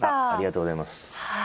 ありがとうございます。